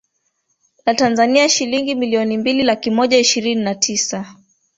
la Tanzania shilingi milioni mbili laki moja ishirini na tisa